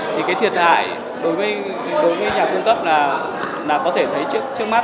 thì cái thiệt hại đối với nhà cung cấp là có thể thấy trước mắt